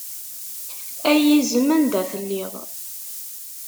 Ay izem anda telliḍ.